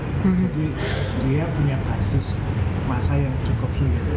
jadi dia punya basis masa yang cukup sulit